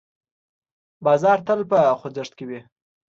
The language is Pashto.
بازار تل په خوځښت کې وي.